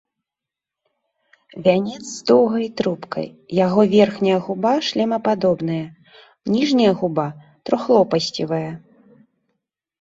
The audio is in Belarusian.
Вянец з доўгай трубкай, яго верхняя губа шлемападобныя, ніжняя губа трохлопасцевая.